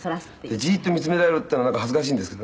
「じっと見つめられるっていうのはなんか恥ずかしいんですけどね